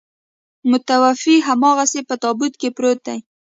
متوفي هماغسې په تابوت کې پروت دی.